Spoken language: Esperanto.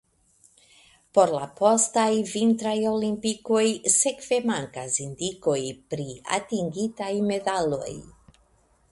Por la postaj Vintraj Olimpikoj sekve mankas indikoj pri atingitaj medaloj.